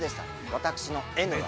私のＮは。